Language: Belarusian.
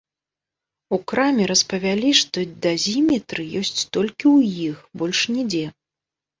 У краме распавялі, што дазіметры ёсць толькі ў іх, больш нідзе.